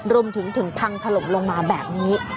รวมถึงถึงพังถล่มลงมาแบบนี้